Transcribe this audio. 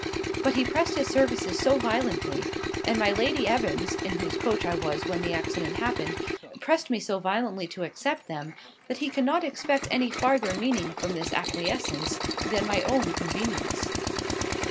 But he pressed his services so violently, and my Lady Evans (in whose coach I was when the accident happened) pressed me so violently to accept them, that he cannot expect any farther meaning from this acquiescence than my own convenience."